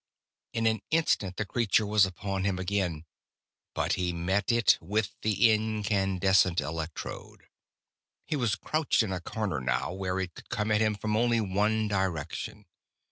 In an instant the creature was upon him again. But he met it with the incandescent electrode. He was crouched in a corner, now, where it could come at him from only one direction.